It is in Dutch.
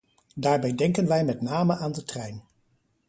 Daarbij denken wij met name aan de trein.